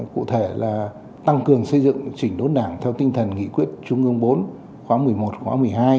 cụ thể là tăng cường xây dựng chỉnh đốn đảng theo tinh thần nghị quyết trung ương bốn khóa một mươi một khóa một mươi hai